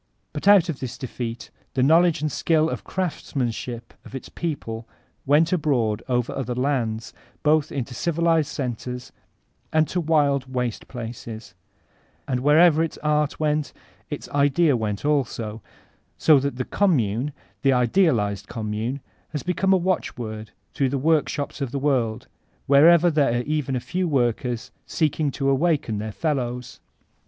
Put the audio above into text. But out of this defeat the knowledge and skill of craftsmanship of its people went abroad over other lands, both into civilized centers and to wild waste places; and wherever its art went, its idea went also, so that the ''Commune,'' the idealized Commune, has become a watchword through the workshops of the world, wherever there are even a few woricers seeking to awaken their fellows.